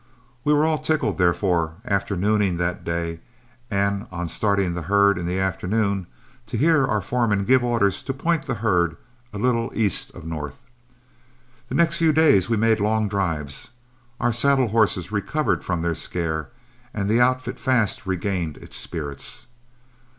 We were all tickled, therefore, after nooning that day and on starting the herd in the afternoon, to hear our foreman give orders to point the herd a little east of north. The next few days we made long drives, our saddle horses recovered from their scare, and the outfit fast regained its spirits.